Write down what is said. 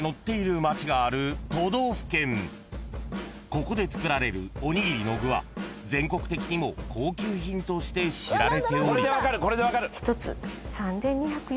［ここで作られるおにぎりの具は全国的にも高級品として知られており］